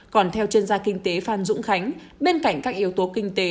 còn theo chuyên gia kinh tế phan dũng khánh bên cạnh các yếu tố kinh tế